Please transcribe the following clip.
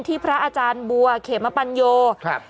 พระอาจารย์บัวเขมปัญโยครับ